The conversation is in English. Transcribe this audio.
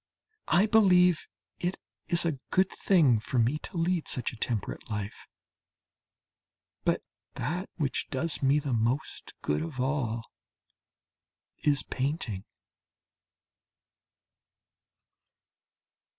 I believe it is a good thing for me to lead such a temperate life. But that which does me the most good of all is painting.